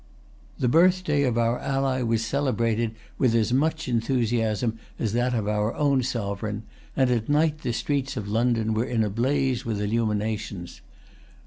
The birthday of our ally was celebrated with as much enthusiasm as that of our own sovereign; and at night the streets of London were in a blaze with illuminations.